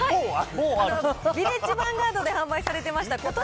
ヴィレッジヴァンガードで販売されてました。